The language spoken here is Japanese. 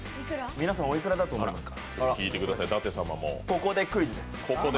皆さん、おいくらだと思いますか？